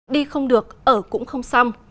đi không được ở cũng không xong